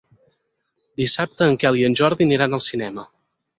Dissabte en Quel i en Jordi aniran al cinema.